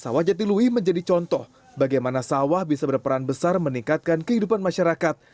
sawah jatilui menjadi contoh bagaimana sawah bisa berperan besar meningkatkan kehidupan masyarakat